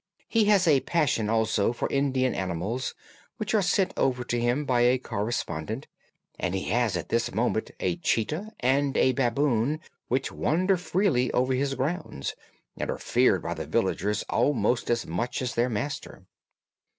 He has a passion also for Indian animals, which are sent over to him by a correspondent, and he has at this moment a cheetah and a baboon, which wander freely over his grounds and are feared by the villagers almost as much as their master.